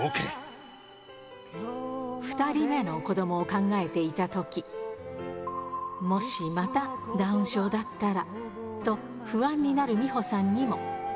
２人目の子どもを考えていたとき、もしまたダウン症だったらと、不安になる美保さんにも。